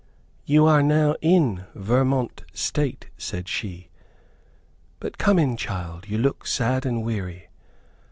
"You are now in Vermont State," said she, "but come in child, you look sad and weary."